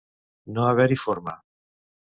No haver-hi forma.